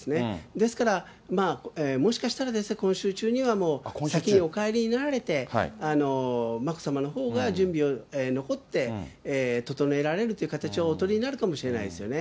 ですから、もしかしたら、今週中にはもう、先にお帰りになられて、眞子さまのほうが準備を残って、整えられるという形をお取りになるかもしれないですよね。